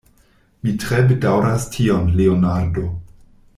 Mi tre bedaŭras tion, Leonardo.